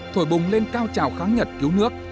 thổi bùng lên cao trào kháng nhật cứu nước